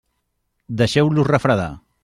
Deixeu-los refredar.